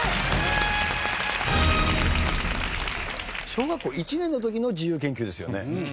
小学校１年の時の自由研究ですよね？